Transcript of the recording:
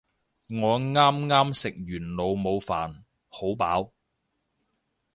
我啱啱食完老母飯，好飽